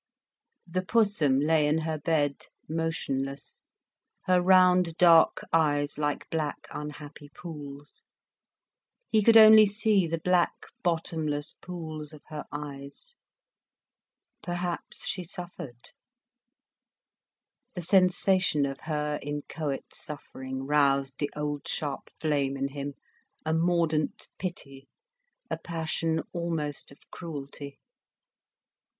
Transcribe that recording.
The Pussum lay in her bed, motionless, her round, dark eyes like black, unhappy pools. He could only see the black, bottomless pools of her eyes. Perhaps she suffered. The sensation of her inchoate suffering roused the old sharp flame in him, a mordant pity, a passion almost of cruelty.